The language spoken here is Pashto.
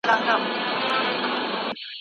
تاسي باید هره شېبه د روغتیا شکر وباسئ.